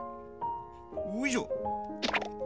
おいしょ！